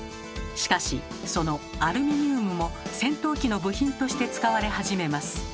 しかしそのアルミニウムも戦闘機の部品として使われ始めます。